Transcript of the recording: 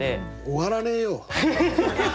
終わらねえよ。